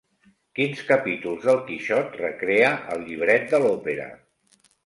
Quins capítols del quixot recrea el llibret de l'òpera?